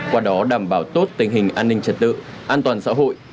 qua đó đảm bảo tốt tình hình an ninh trật tự an toàn xã hội